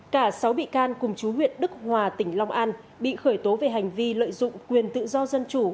cả sáu bị can cùng chú huyện đức hòa tỉnh long an bị khởi tố về hành vi lợi dụng quyền tự do dân chủ